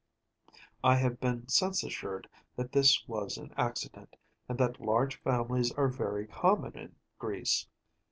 I have been since assured that this was an accident, and that large families are very common in Greece.